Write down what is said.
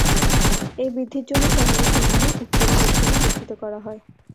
এই বৃদ্ধির জন্য শহরের সীমানা উত্তর ও দক্ষিণে বর্ধিত করা হয়।